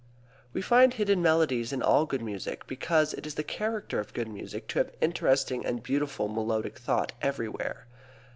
We find hidden melodies in all good music because it is the character of good music to have interesting and beautiful melodic thought everywhere.